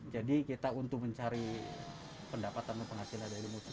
jadi kita untuk mencari pendapatan penghasilan dari musik